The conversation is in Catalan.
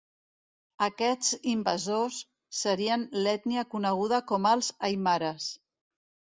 Aquests invasors serien l'ètnia coneguda com els aimares.